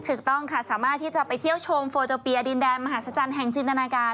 ถูกต้องค่ะสามารถที่จะไปเที่ยวชมโฟโจเปียดินแดนมหาศจรรย์แห่งจินตนาการ